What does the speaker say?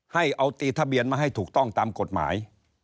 ให้เอาตีทะเบียนมาให้ถูกต้องตามกฎหมาย